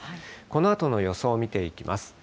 このあとの予想を見ていきます。